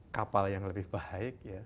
kapal yang lebih baik